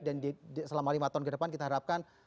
dan selama lima tahun ke depan kita harapkan